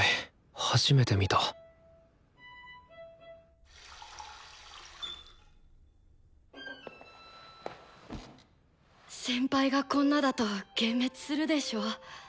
初めて見た先輩がこんなだと幻滅するでしょ？